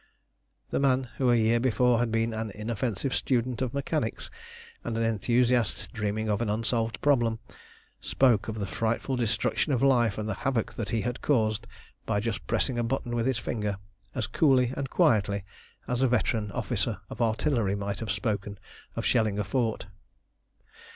The man who a year before had been an inoffensive student of mechanics and an enthusiast dreaming of an unsolved problem, spoke of the frightful destruction of life and the havoc that he had caused by just pressing a button with his finger, as coolly and quietly as a veteran officer of artillery might have spoken of shelling a fort.